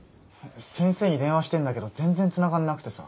先生に電話してんだけど全然つながんなくてさ。